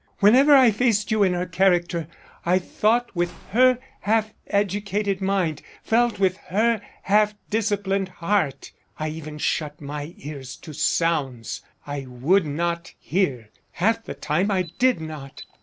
Whenever I faced you in her character, I thought with her half educated mind; felt with her half disciplined heart. I even shut my ears to sounds; I would not hear; half the time I did not.